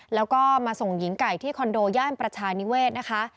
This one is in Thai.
แล้วก็มาส่งหญิงไก่ที่คอนโดย่านประชานิเวศนะคะ